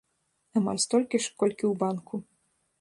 Амаль столькі ж, колькі ў банку.